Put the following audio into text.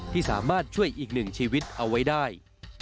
ที่สามารถช่วยอีกหนึ่งชีวิตเอาไว้ได้